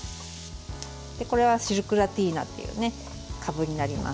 これは、シルクラティーナというかぶになります。